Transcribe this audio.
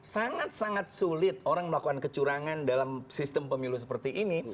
sangat sangat sulit orang melakukan kecurangan dalam sistem pemilu seperti ini